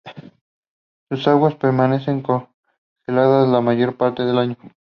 Sus aguas permanecen congeladas la mayor parte del año.